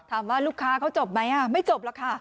ถามว่าลูกค้าเขาจบไหมไม่จบแล้วค่ะ